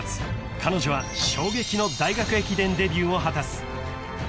彼女は衝撃の大学駅伝デビューを果たす］